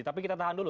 tapi kita tahan dulu